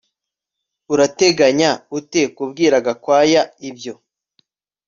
Urateganya ute kubwira Gakwaya ibyo